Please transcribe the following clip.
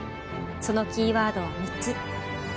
そのキーワードは３つ。